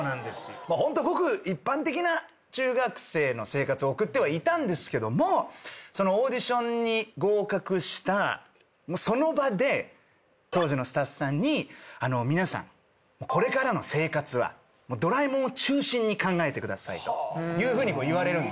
ホントごく一般的な中学生の生活送ってはいたんですけどもそのオーディションに合格したその場で当時のスタッフさんに「皆さん」「考えてください」というふうに言われるんですよ。